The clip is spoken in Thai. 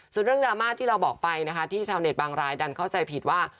ส่วนเรื่องดราม่าที่เราบอกไปนะคะที่ชาวเน็ตบางรายดันเข้าใจผิดว่า